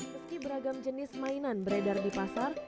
meski beragam jenis mainan beredar di pasar